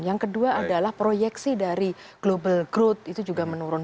yang kedua adalah proyeksi dari global growth itu juga menurun